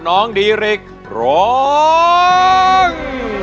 น้องดีริกร้อง